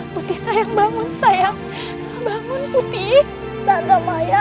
kita balik rumah sakit aja ya